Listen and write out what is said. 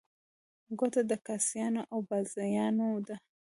کوټه د کاسيانو او بازیانو ده.